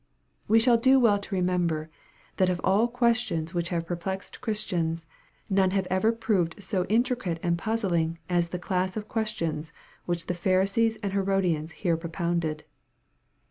We shall do well to remember, that of all questions which have perplexed Christians, none have ever proved BO intricate and puzzling, as the class of questions which the Pharisees and Heiodians here propounded.